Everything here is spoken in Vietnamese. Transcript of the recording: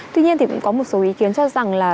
tuy nhiên thì cũng có một số ý kiến cho rằng là